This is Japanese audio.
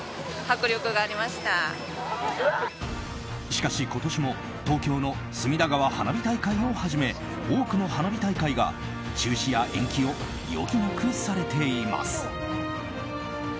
しかし、今年も東京の隅田川花火大会をはじめ多くの花火大会が中止や延期を余儀なくされています。